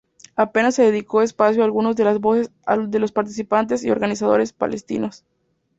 Apenas se dedicó espacio alguno a las voces de los participantes y organizadores palestinos.